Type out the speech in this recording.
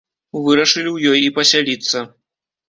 Вырашылі ў ёй і пасяліцца.